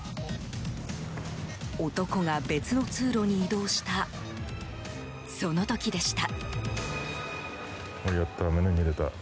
男が別の通路に移動したその時でした。